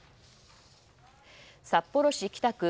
札幌市北区